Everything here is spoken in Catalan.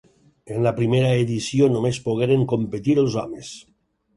En la primera edició només pogueren competir els homes.